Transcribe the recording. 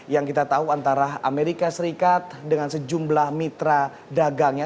yang kita tahu antara amerika serikat dengan sejumlah mitra dagangnya